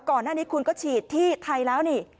ก่อนหน้านี้คุณก็ฉีดที่ไทยแล้วนี่